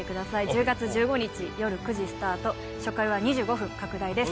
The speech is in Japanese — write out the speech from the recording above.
１０月１５日よる９時スタート初回は２５分拡大です